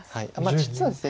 実はですね